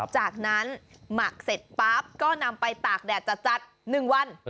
จากนั้นหมักเสร็จปั๊บก็นำไปตากแดดจัด๑วัน